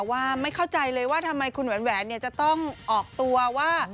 ว่าไม่เข้าใจเลยว่าทำไมคุณแหวนจะต้องออกตัวว่า